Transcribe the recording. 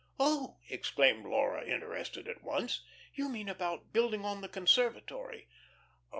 "Oh," exclaimed Laura, interested at once, "you mean about building on the conservatory?"